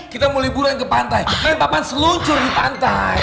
kita mau liburan ke pantai papan seluncur di pantai